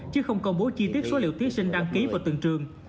chứ không công bố chi tiết số liệu thí sinh đăng ký vào từng trường